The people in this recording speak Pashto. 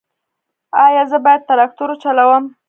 ایا زه باید تراکتور وچلوم؟